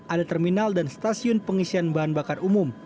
ada terminal dan stasiun pengisian bahan bakar umum